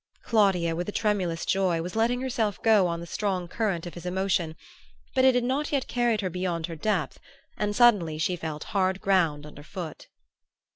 Claudia, with a tremulous joy, was letting herself go on the strong current of his emotion; but it had not yet carried her beyond her depth, and suddenly she felt hard ground underfoot.